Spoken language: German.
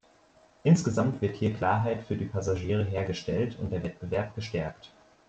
Insgesamt wird hier Klarheit für die Passagiere hergestellt und der Wettbewerb gestärkt.